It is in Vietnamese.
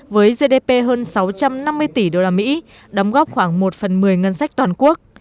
với gdp hơn sáu trăm năm mươi tỷ đô la mỹ đóng góp khoảng một phần một mươi ngân sách toàn quốc